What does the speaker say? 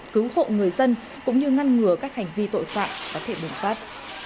cứu hộ người dân cũng như ngăn ngừa các hành vi tội phạm có thể bùng phát